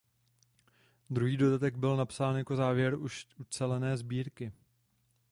Druhý dodatek byl napsán jako závěr už ucelené sbírky.